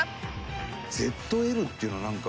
「ＺＬ」っていうのはなんか。